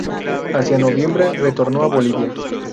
Hacia noviembre, retornó a Bolivia.